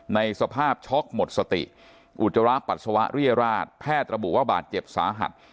ในสภาพช็อกหมดสติอุจจาระปัสสาวะเรียราชแพทย์ระบุว่าบาดเจ็บสาหัส